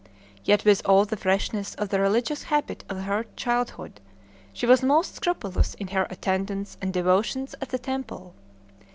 Yet with all the freshness of the religious habit of her childhood she was most scrupulous in her attendance and devotions at the temple.